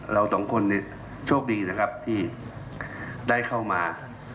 เราสองคนโชคดีนะครับที่ได้เข้ามา